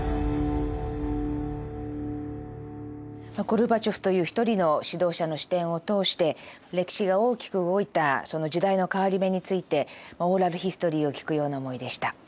ゴルバチョフという一人の指導者の視点を通して歴史が大きく動いたその時代の変わり目についてオーラルヒストリーを聴くような思いでした。